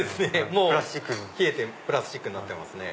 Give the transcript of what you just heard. もう冷えてプラスチックになってますね。